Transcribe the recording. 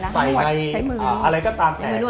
ใส่ในอะไรก็ตามแต่